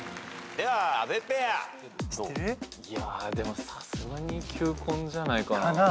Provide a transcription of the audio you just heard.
いやでもさすがに球根じゃないかな。